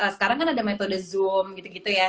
sekarang kan ada metode zoom gitu gitu ya